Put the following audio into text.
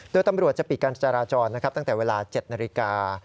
โดยตำรวจจะปิดการจราจรนะครับตั้งแต่เวลา๗นาฬิกา